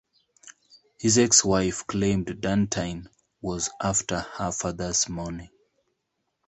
His ex-wife claimed Dantine was after her father's money.